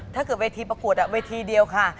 ถ้าเกิดเวทีประกวดเวทีเดียวค่ะ